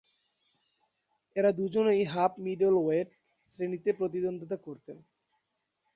এঁরা দুজনেই হাফ-মিডলওয়েট শ্রেণীতে প্রতিদ্বন্দ্বিতা করতেন।